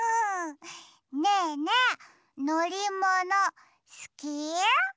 ねえねえのりものすき？